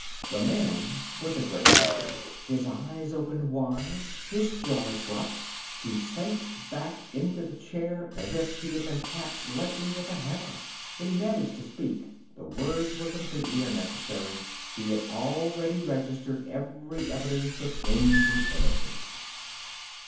The man was a great actor. His eyes opened wide, his jaw dropped, he sank back into the chair as if he had been tapped lightly with a hammer. When he managed to speak the words were completely unnecessary; he had already registered every evidence of injured innocence.